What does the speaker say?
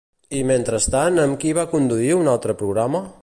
I, mentrestant, amb qui va conduir un altre programa?